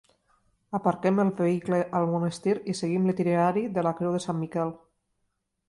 Aparquem el vehicle al monestir i seguim l'itinerari de la Creu de Sant Miquel.